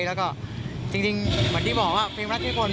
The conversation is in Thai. แล้วก็จริงเหมือนที่บอกว่าเพลงรัฐนิพล